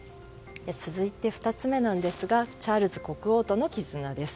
続いて２つ目なんですがチャールズ国王との絆です。